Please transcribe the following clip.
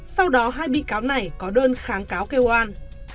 sau đó hai bị cáo này có đơn kháng cáo kêu an